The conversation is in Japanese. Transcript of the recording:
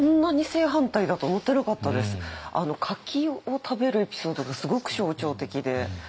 柿を食べるエピソードがすごく象徴的で。